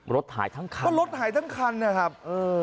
รถหายทั้งคันก็รถหายทั้งคันนะครับ